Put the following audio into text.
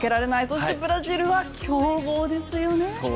そしてブラジルは強豪ですよね。